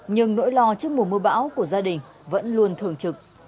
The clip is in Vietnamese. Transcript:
nhưng nỗi lo trước mùa mưa bão của gia đình vẫn luôn thường trực